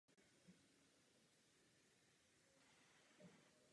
V lidské anatomii je trup označení pro část lidského těla bez hlavy a končetin.